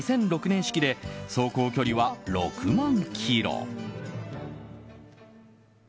２００６年式で走行距離は６万ｋｍ。